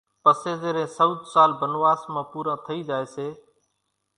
پسي زيرين سئوۮ سال بنواس نان پوران ٿئي زائي سي